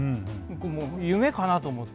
夢かな？と思って。